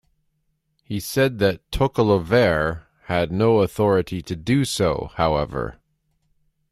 He said that Tokalauvere had no authority to do so, however.